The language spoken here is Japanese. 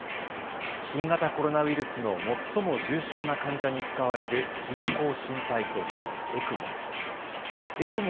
新型コロナウイルスの最も重症な患者に使われる人工心肺装置・ＥＣＭＯ。